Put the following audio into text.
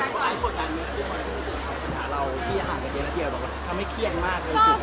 อยากจะเล่าที่อาหารกันเกี่ยวบอกว่าทำให้เคียงมาก